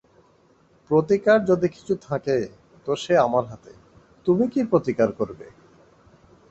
প্রতিকার যদি কিছু থাকে তো সে আমার হাতে, তুমি কী প্রতিকার করবে।